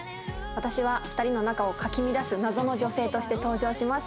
私は２人の仲をかき乱す謎の女性として登場します